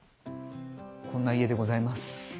こんな家でございます。